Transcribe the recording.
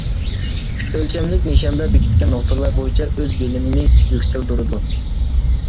ئۈچ ئۆلچەملىك نىشاندا بېكىتكەن نۇقتىلار بويىچە ئۆز بىلىمىنى يۈكسەلدۈرىدۇ.